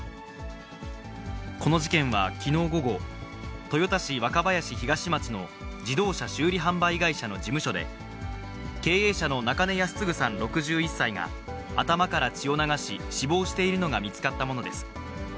この事件はきのう午後、豊田市若林東町の自動車修理販売会社の事務所で、経営者の中根康継さん６１歳が、頭から血を流し、死亡しているのが見つかったものです。